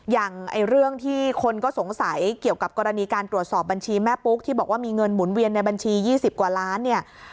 อย่างเรื่องที่คนก็สงสัยเกี่ยวกับกรณีการตรวจสอบบัญชีแม่ปุ๊กที่บอกว่ามีเงินหมุนเวียนในบัญชี๒๐กว่าล้านเนี่ย